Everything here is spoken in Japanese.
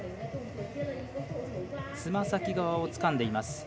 つま先側をつかんでいます。